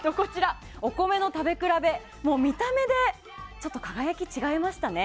お米の食べ比べ見た目で輝き違いましたね。